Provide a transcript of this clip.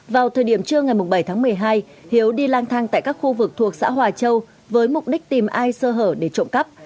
vào thời điểm trưa ngày bảy tháng một mươi hai hiếu đi lang thang tại các khu vực thuộc xã hòa châu với mục đích tìm ai sơ hở để trộm cắp